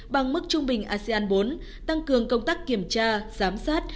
bằng mức trung bình asean bốn tăng cường công tác kiểm tra giám sát